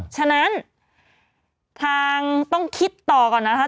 ฉะนั้นทางต้องคิดต่อก่อนนะคะ